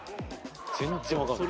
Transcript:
全然分かんない。